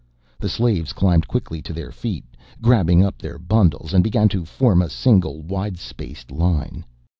The slaves climbed quickly to their feet, grabbing up their bundles, and began to form a single widespaced line.